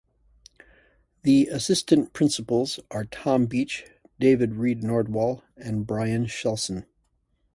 The assistant principals are Tom Beach, David Reed-Nordwall, and Brian Shelson.